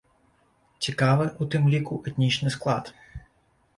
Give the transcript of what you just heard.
Цікавы, у тым ліку, этнічны склад.